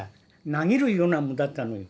投げるようなものだったのよ